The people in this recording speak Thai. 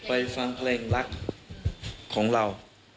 ฟังเพลงรักของเรา